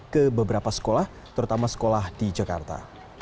ke beberapa sekolah terutama sekolah di jakarta